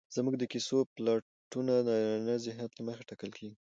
زموږ د کيسو پلاټونه د نارينه ذهنيت له مخې ټاکل کېږي